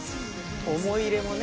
思い入れもね。